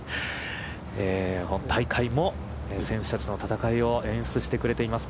本大会も選手たちの伝説の戦いを演出してくれています。